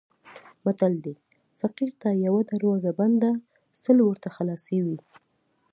متل دی: فقیر ته یوه دروازه بنده سل ورته خلاصې وي.